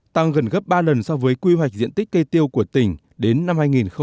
tăng gần gấp ba lần so với quy hoạch diện tích cây tiêu của tỉnh đến năm hai nghìn ba mươi